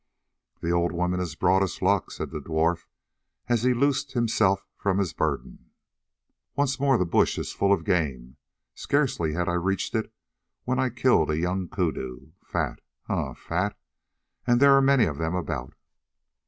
"The old woman has brought us luck," said the dwarf as he loosed himself from his burden. "Once more the bush is full of game; scarcely had I reached it when I killed a young koodoo, fat, ah! fat, and there are many of them about."